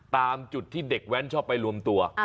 ตามจุดที่เด็กแว้นชอบไปรวมตัว